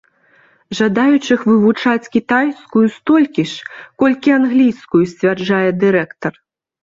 Жадаючых вывучаць кітайскую столькі ж, колькі англійскую, сцвярджае дырэктар.